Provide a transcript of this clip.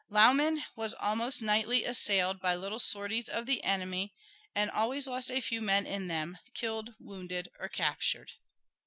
Lauman was almost nightly assailed by little sorties of the enemy, and always lost a few men in them, killed, wounded, or captured.